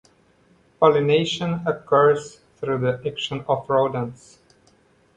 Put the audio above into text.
Pollination occurs through the action of rodents.